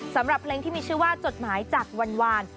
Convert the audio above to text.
สำหรับเพลงที่มีชื่อว่าจดหมายจากวาน